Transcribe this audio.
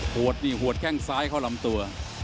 หวัดนี้หวัดแข่งซ้ายเข้าลำตัว